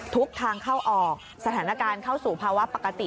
ทุกทางเข้าออกสถานการณ์เข้าสู่ภาวะปกติ